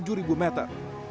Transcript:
lebih dari tujuh meter